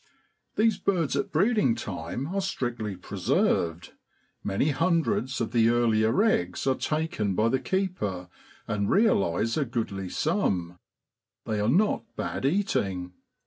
These birds at breeding time are strictly preserved; many hundreds of the earlier eggs are taken by the keeper, and realise a goodly sum ; they are not bad eating.